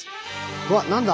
うわ何だ？